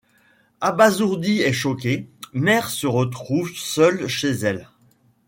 Abasourdie et choquée, Mère se retrouve seule chez elle.